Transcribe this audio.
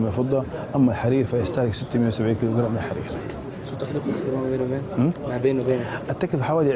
tapi bahan berasal dari saudi saya memiliki enam ratus tujuh puluh kg berasal dari saudi